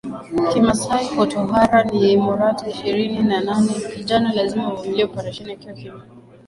Kimasai kwa tohara ni emorata Ishirini na nane Kijana lazima avumilie oparesheni akiwa kimya